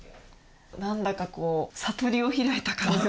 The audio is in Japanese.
何だかこう悟りを開いたかのような。